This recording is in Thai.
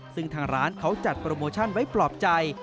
ซึ่งทางร้านเขาจัดโปรโมชั่นไว้ปลอบใจ